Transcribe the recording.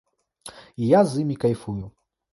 І я з імі кайфую.